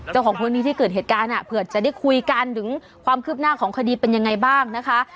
เจ้าของพื้นที่ที่เกิดเหตุการณ์เผื่อจะได้คุยกันถึงความคืบหน้าของคดีเป็นยังไงบ้างนะคะ